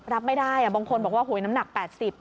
รับไม่ได้บางคนบอกว่าโอ้โหน้ำหนัก๘๐อ่ะ